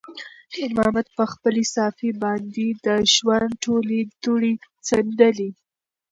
خیر محمد په خپلې صافې باندې د ژوند ټولې دوړې څنډلې.